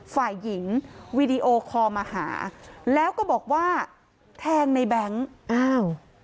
ฝ่ายหญิงวีดีโอคอลมาหาแล้วก็บอกว่าแทงในแบงค์อ้าว